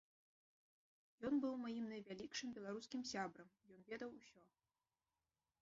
Ён быў маім найвялікшым беларускім сябрам, ён ведаў усё.